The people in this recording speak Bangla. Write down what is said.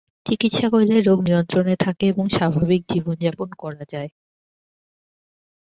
চিকিৎসা করলে রোগ নিয়ন্ত্রণে থাকে এবং স্বাভাবিক জীবন যাপন করা যায়।